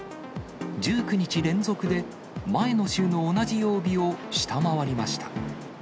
１９日連続で前の週の同じ曜日を下回りました。